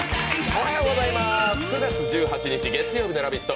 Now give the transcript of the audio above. おはようございます、９月１８日月曜日の「ラヴィット！」